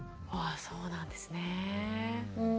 あそうなんですねえ。